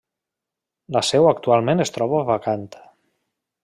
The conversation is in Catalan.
La seu actualment es troba vacant.